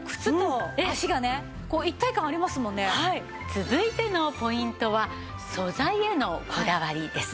続いてのポイントは素材へのこだわりです。